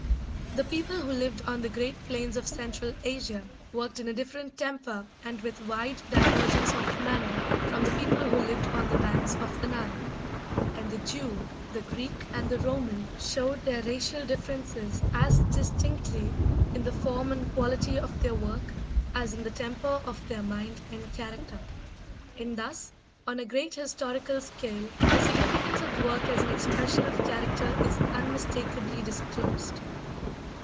The people who lived on the great plains of Central Asia worked in a different temper and with wide divergence of manner from the people who lived on the banks of the Nile; and the Jew, the Greek, and the Roman showed their racial differences as distinctly in the form and quality of their work as in the temper of their mind and character. And thus, on a great historical scale, the significance of work as an expression of character is unmistakably disclosed.